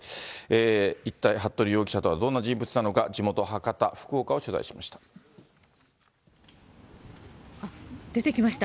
一体、服部容疑者とはどんな人物なのか、地元、博多、出てきました。